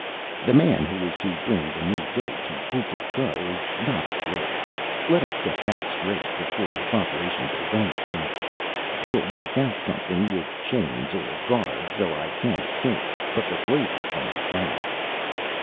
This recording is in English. The man who is to bring the new day to Putl'ko is not a slave, let us get that straight before this operation goes any further. We'll work out something with chains or guards so I can't escape, but the slavery thing is out."